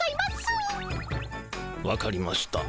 わかりました。